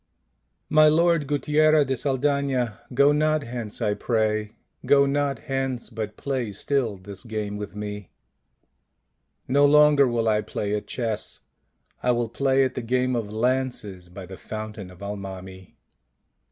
My Lord Guttiera de Saldana, go not hence I pray, go not hence, but play still this game with me." " No longer will I play at chess; I will play at the game of lances by the fountain of Al mami."